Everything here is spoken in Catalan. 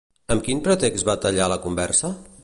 Amb quin pretext va tallar la conversa?